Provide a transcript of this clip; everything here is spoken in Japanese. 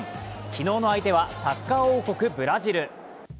昨日の相手はサッカー王国ブラジル。